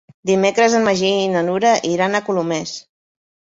Dimecres en Magí i na Nura iran a Colomers.